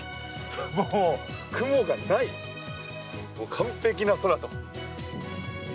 もう雲がない、完璧な空と。